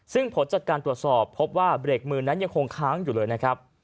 ซึ่งผลจากการตรวจสอบพบว่าเบรกมือนั้นยังคงค้างอยู่เลยนะครับ